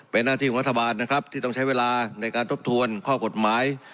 เป็นหน้าที่ของรัฐบาลนะครับที่ต้องใช้เวลาในการทบทวนข้อกฎหมาย